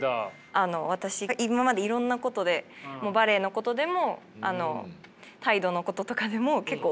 あの私今までいろんなことでバレエのことでも態度のこととかでも結構怒られてきました。